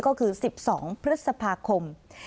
ก็คือ๑๒พฤษภาคม